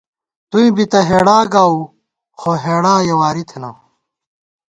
توئیں بی تہ ہېڑا گاؤو ، خو ہېڑا یَہ واری تھنہ